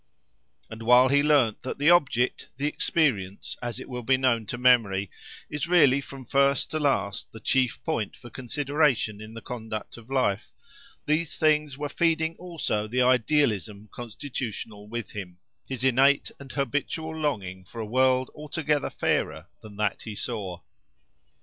And while he learned that the object, the experience, as it will be known to memory, is really from first to last the chief point for consideration in the conduct of life, these things were feeding also the idealism constitutional with him—his innate and habitual longing for a world altogether fairer than that he saw.